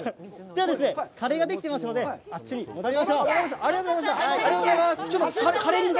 では、カレーができてますので、食べましょう。